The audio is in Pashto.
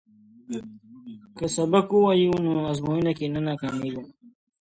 که سبق ووایو نو ازموینه کې نه ناکامیږو.